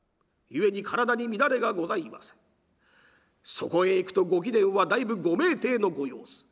そこへいくとご貴殿はだいぶご酩酊のご様子。